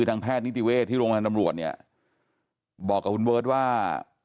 ทางแพทย์นิติเวศที่โรงพยาบาลตำรวจเนี่ยบอกกับคุณเบิร์ตว่า